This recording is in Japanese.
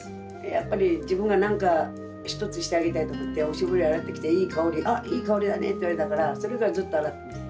やっぱり自分が何か一つしてあげたいと思っておしぼり洗ってきていい香りあっいい香りだねって言われたからそれからずっと洗ってます。